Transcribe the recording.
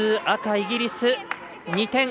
赤、イギリス。